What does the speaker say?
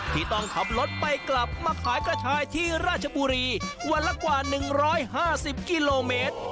ที่ต้องขับรถไปกลับมาขายกระชายที่ราชบุรีวันละกว่า๑๕๐กิโลเมตร